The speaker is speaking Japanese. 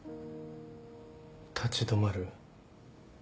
立ち止まる？